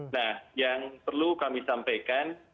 nah yang perlu kami sampaikan